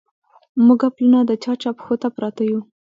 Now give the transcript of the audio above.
موږه پلونه د چا، چا پښو ته پراته يو